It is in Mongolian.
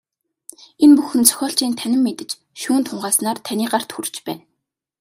Энэ бүхэн зохиолчийн танин мэдэж, шүүн тунгааснаар таны гарт хүрч байна.